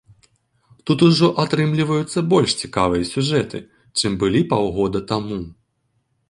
Тут ужо атрымліваюцца больш цікавыя сюжэты, чым былі паўгода таму.